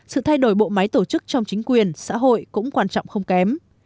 sự thay đổi bộ máy tổ chức trong chính quyền xã hội cũng quan trọng không kém